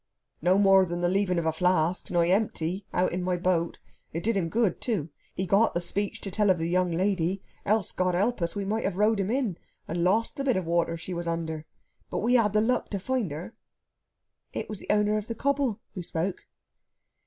"No more than the leaving of a flask nigh empty out in my boat. It did him good, too. He got the speech to tell of the young lady, else God help us! we might have rowed him in, and lost the bit of water she was under. But we had the luck to find her." It was the owner of the cobble who spoke.